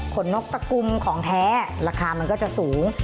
นกตะกุมของแท้ราคามันก็จะสูง